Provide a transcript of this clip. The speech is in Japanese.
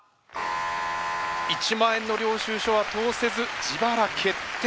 １万円の領収書は通せず自腹決定。